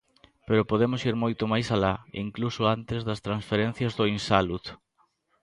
Pero podemos ir moito máis alá, incluso antes das transferencias do Insalud.